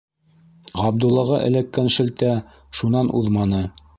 Ғабдуллаға эләккән шелтә шунан уҙманы.